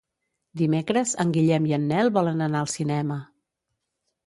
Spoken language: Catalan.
Dimecres en Guillem i en Nel volen anar al cinema.